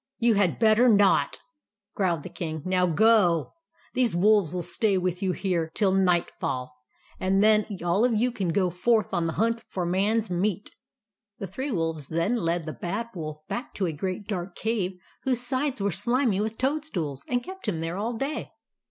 " You had better not !" growled the King. u Now go ! These wolves will stay with you here till nightfall ; and then all of TRICKS OF THE BAD WOLF 149 you can go forth on the hunt for man's meat." The three wolves then led the Bad Wolf back to a great dark cave whose sides were slimy with toadstools, and kept him there all day.